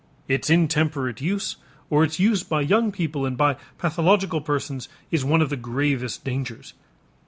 Its intemperate use or its use by young people and by pathological persons is one of the gravest dangers.